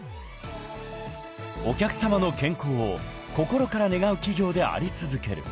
［お客さまの健康を心から願う企業であり続ける］